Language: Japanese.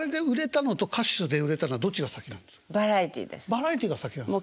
バラエティーが先なんですか。